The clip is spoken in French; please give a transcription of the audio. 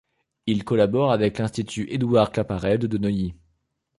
Il collabore avec l’Institut Édouard-Claparède de Neuilly.